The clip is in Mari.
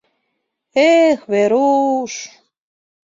— Эх, Веруш!